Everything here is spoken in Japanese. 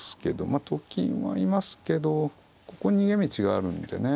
まあと金はいますけどここ逃げ道があるんでね